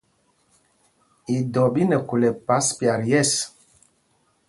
Idɔ ɓí nɛ khul ɛpas pyat yɛ̂ɛs.